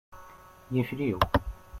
Yifliw.